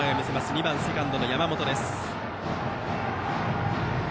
２番セカンドの山本です。